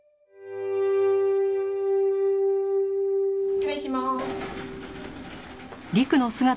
失礼します。